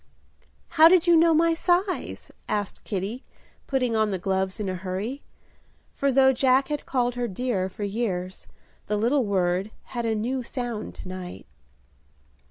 "How did you know my size?" asked Kitty, putting on the gloves in a hurry; for though Jack had called her "dear" for years, the little word had a new sound to night.